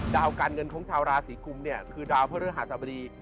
ดาวการเงินของชาวราศีคุมเนี่ยคือดาวเพื่อเรื่องหาสบดี